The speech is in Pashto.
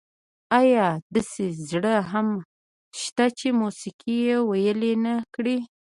ایا داسې زړه هم شته چې موسيقي یې ویلي نه کړي؟